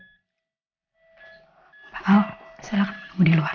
apa apa silahkan menunggu di luar